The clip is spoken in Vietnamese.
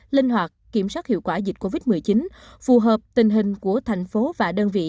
linh hoạt kiểm soát hiệu quả dịch covid một mươi chín phù hợp tình hình của thành phố và đơn vị